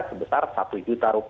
sebesar rp satu juta